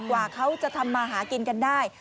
กว่าเขาจะทำมาหากินกันได้